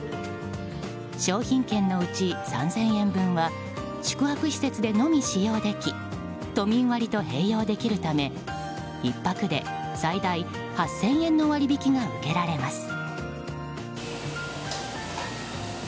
商品券のうち３０００円分は宿泊施設でのみ使用でき都民割と併用できるため１泊で最大８０００円の割引が受けられます。